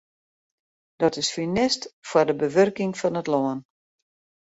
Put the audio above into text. Dat is funest foar de bewurking fan it lân.